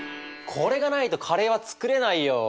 これがないとカレーは作れないよ。